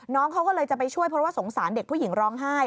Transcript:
น้องเขาก็เลยจะไปช่วยเพราะว่าสงสารเด็กผู้หญิงร้องไห้